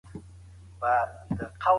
هغه سړی په ټولني کي خپل عزت وساتی.